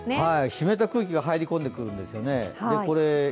湿った空気が入り込んでくるんですよね。